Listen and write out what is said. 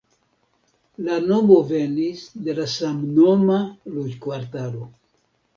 La nomo venis de la samnoma loĝkvartalo.